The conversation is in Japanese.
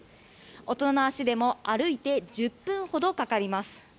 大人の足でも歩いて１０分ほどかかります。